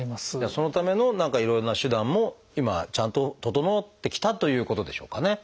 そのための何かいろいろな手段も今はちゃんと整ってきたということでしょうかね。